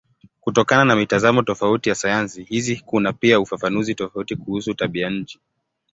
Kutokana na mitazamo tofauti ya sayansi hizi kuna pia ufafanuzi tofauti kuhusu tabianchi.